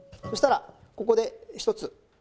そしたらここでひとつ。